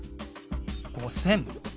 ５０００。